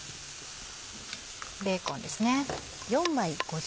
ベーコンですね。